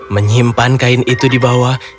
menyimpan kain itu di bawah